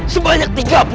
sebanyak tiga puluh kali